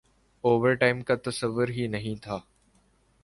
Overtime کا تصور ہی نہیں تھا ۔